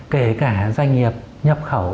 kể cả doanh nghiệp nhập khẩu